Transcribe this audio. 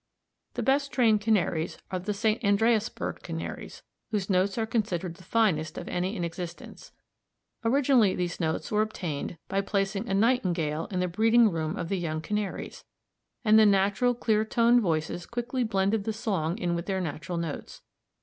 The best trained Canaries are the St. Andreasberg Canaries, whose notes are considered the finest of any in existence. Originally these notes were obtained by placing a Nightingale in the breeding room of the young Canaries, and the natural, clear toned voices quickly blended the song in with their natural notes.